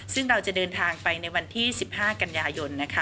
ซึ่งเราจะเดินทางไปในวันที่๑๕กันยายนนะคะ